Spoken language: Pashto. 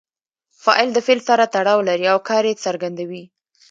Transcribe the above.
فاعل د فعل سره تړاو لري او کار ئې څرګندوي.